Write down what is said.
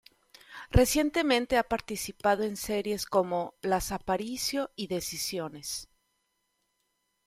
Recientemente ha participado en series como "Las Aparicio" y "Decisiones".